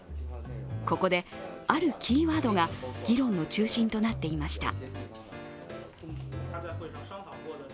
ここで、あるキーワードが議論の中心となっていました。